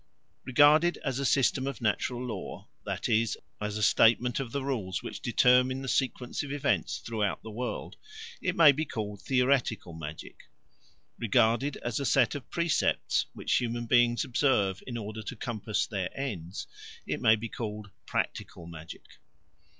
Regarded as a system of natural law, that is, as a statement of the rules which determine the sequence of events throughout the world, it may be called Theoretical Magic: regarded as a set of precepts which human beings observe in order to compass their ends, it may be called Practical Magic.